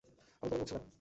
আবল-তাবল বকছো কেন?